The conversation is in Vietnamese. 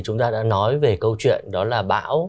chúng ta đã nói về câu chuyện đó là bão